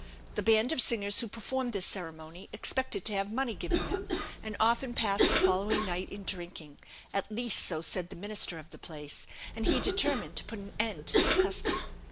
The band of singers who performed this ceremony expected to have money given them, and often passed the following night in drinking; at least, so said the minister of the place; and he determined to put an end to this custom.